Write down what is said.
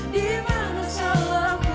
di mana salahku